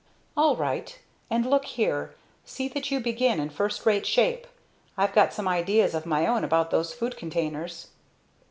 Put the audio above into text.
"All right. And look here; see that you begin in first rate shape. I've got some ideas of my own about those food containers."